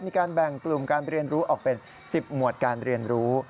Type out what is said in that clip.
มีการแบ่งกลุ่มการเรียนรู้ออกเป็น๑๐หมวดการเรียนรู้